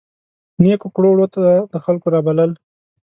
نیکو کړو وړو ته د خلکو رابلل.